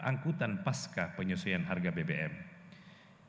yang diatur pemerintah utamanya didorong oleh kenaikan tarif inflasi